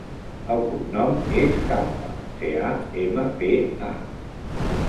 El cognom és Campa: ce, a, ema, pe, a.